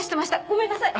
ごめんなさい！